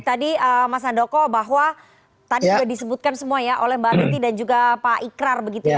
jadi mas andoko bahwa tadi sudah disebutkan semua ya oleh mbak riti dan juga pak ikrar